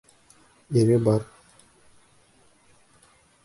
Ире бар.